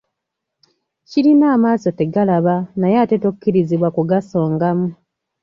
Kirina amaaso tegalaba naye ate tokkirizibwa kugasongamu.